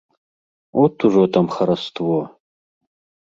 От ужо там хараство!